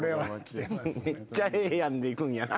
「めっちゃええやん」でいくんやな。